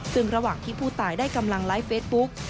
ซึ่งระหว่างที่ผู้ตายได้กำลังไลฟ์เฟซบุ๊ก